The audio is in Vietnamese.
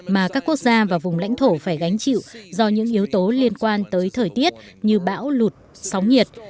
mà các quốc gia và vùng lãnh thổ phải gánh chịu do những yếu tố liên quan tới thời tiết như bão lụt sóng nhiệt